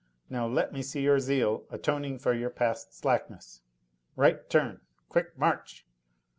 Now let me see your zeal atoning for your past slackness. Right turn! Quick march!"